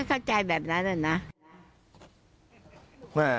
ก็เข้าจ่ายแบบนั้นแหละนะ